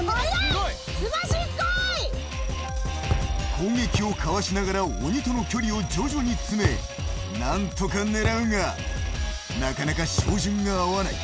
攻撃をかわしながら、鬼との距離を徐々に詰め、何とか狙うが、なかなか照準が合わない。